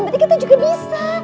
berarti kita juga bisa